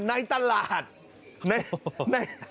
ในตลาดแห่งหนึ่ง